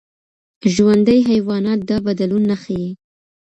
ژوندي حیوانات دا بدلون نه ښيي.